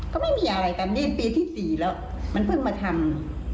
ก็ไม่มีอะไรตอนนี้ปีที่๔แล้วมันเพิ่งมาทำ